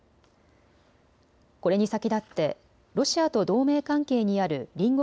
これに先立ってロシアと同盟関係にある隣国